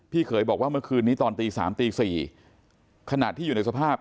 เขยบอกว่าเมื่อคืนนี้ตอนตี๓ตี๔ขณะที่อยู่ในสภาพ